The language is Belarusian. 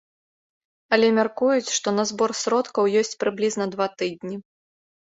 Але мяркуюць, што на збор сродкаў ёсць прыблізна два тыдні.